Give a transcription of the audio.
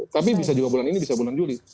tapi bisa juga bulan ini bisa bulan juli